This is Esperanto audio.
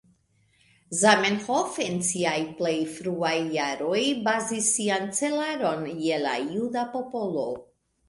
Zamenhof, en siaj plej fruaj jaroj, bazis sian celaron je la juda popolo.